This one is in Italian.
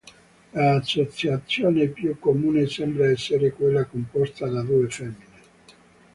L'associazione più comune sembra essere quella composta da due femmine.